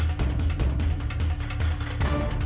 gef sedih dengan powernya